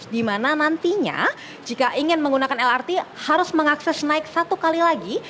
di mana nantinya jika ingin menggunakan lrt harus mengakses naik satu kali lagi